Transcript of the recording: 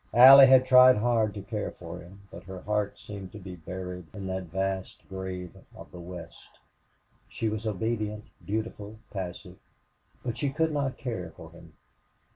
Allie had tried hard to care for him, but her heart seemed to be buried in that vast grave of the West. She was obedient, dutiful, passive, but she could not care for him.